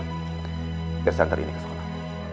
kita santar ini ke sekolah